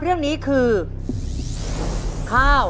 สวัสดีครับ